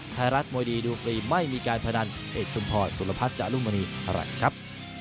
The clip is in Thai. ไทยรัฐมวยดีดูฟรีไม่มีการพนันเอกชุมพรสุรพัฒน์จารุมณีอะไรครับ